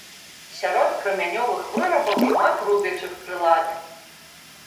Сярод крамянёвых вырабаў шмат рубячых прылад.